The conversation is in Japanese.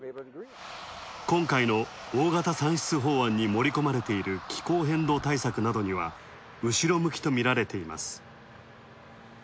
今回の大型歳出法案に盛り込まれている気候変動対策などには後ろ向きとみられています。